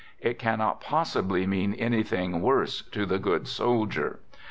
It cannot pos sibly mean anything worse to the good soldier.